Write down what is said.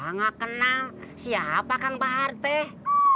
nggak kenal siapa kang bahar teh